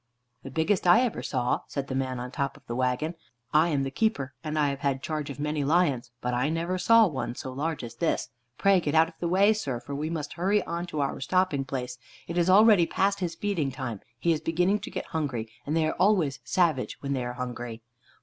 "The biggest I ever saw," said the man on top of the wagon. "I am the keeper, and I have had charge of many lions, but I never saw one so large as this. Pray get out of the way, sir, for we must hurry on to our stopping place. It is already past his feeding time; he is beginning to get hungry, and they are always savage when they are hungry."